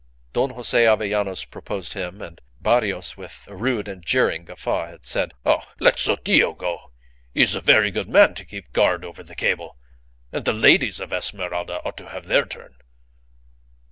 Don Jose Avellanos proposed him, and Barrios, with a rude and jeering guffaw, had said, "Oh, let Sotillo go. He is a very good man to keep guard over the cable, and the ladies of Esmeralda ought to have their turn."